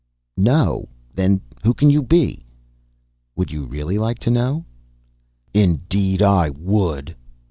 "No? Then who can you be?" "Would you really like to know?" "Indeed I would."